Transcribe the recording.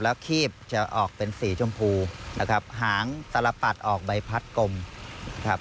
แล้วคีบจะออกเป็นสีชมพูนะครับหางสารปัดออกใบพัดกลมครับ